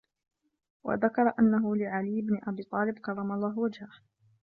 وَذَكَرَ أَنَّهُ لِعَلِيِّ بْنِ أَبِي طَالِبٍ كَرَّمَ اللَّهُ وَجْهِهِ